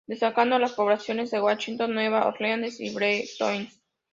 Destacando las poblaciones de Washington, Nueva Orleans y Detroit.